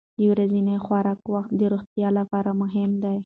د ورځني خوراک وخت د روغتیا لپاره مهم دی.